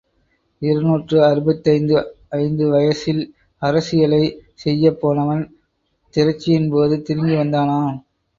இருநூற்று அறுபத்தைந்து அஞ்சு வயசில் அரசிலை செய்யப் போனவன் திரட்சியின்போது திரும்பி வந்தானாம்.